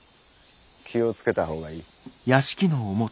気をつけた方がいい。